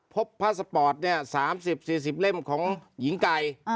พบพระสปอร์ต๓๐๔๐เล่มของหญิงไก่